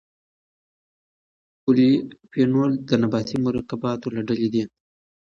پولیفینول د نباتي مرکباتو له ډلې دي.